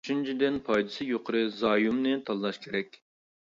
ئۈچىنچىدىن، پايدىسى يۇقىرى زايومنى تاللاش كېرەك.